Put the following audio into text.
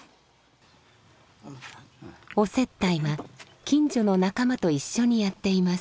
お接待は近所の仲間と一緒にやっています。